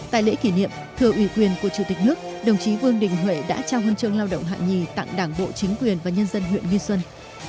tại lễ kỷ niệm thưa ủy quyền của chủ tịch nước đồng chí vương đình huệ đã trao huân chương lao động hạng nhì tặng đảng bộ chính quyền và nhân dân huyện nghi xuân